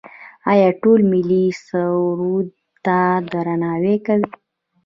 آیا ټول ملي سرود ته درناوی کوي؟